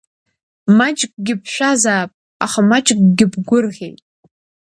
Маҷкгьы бшәазаап, аха маҷкгьы бгәырӷьеит?